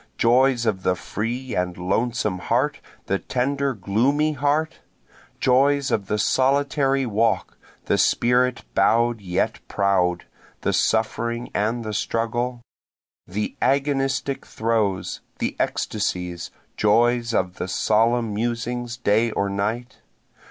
Joys of the free and lonesome heart, the tender, gloomy heart? Joys of the solitary walk, the spirit bow'd yet proud, the suffering and the struggle? The agonistic throes, the ecstasies, joys of the solemn musings day or night?